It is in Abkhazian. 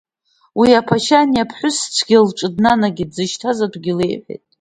Уи аԥашьа ани аԥҳәыс цәгьа лҿы днанагеит, дзышьҭаз атәгьы леиҳәеит.